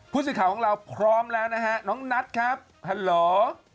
ผู้สื่อข่าวของเราพร้อมแล้วนะฮะน้องนัทครับฮัลโหล